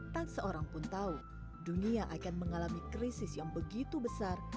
tak seorang pun tahu dunia akan mengalami krisis yang begitu besar